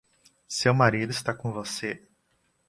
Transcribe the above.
Seu marido está com você?